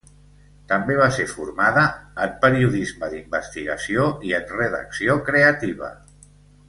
També va ser formada en periodisme d'investigació i en redacció creativa.